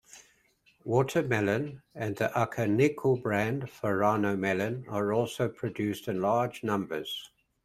Watermelon and the Akaniku-brand "Furano Melon" are also produced in large numbers.